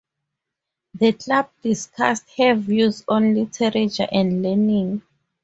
The club discussed her views on literature and learning.